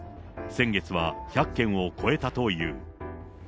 先月は１００件を超えたという。